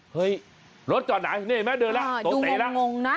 เฮ้ยรถจอดไหนนี่แม่เดินแล้วโตเตแล้ว